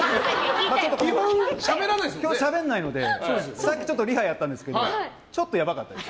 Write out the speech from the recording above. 基本しゃべらないのでさっきリハやったんですけどちょっとやばかったです。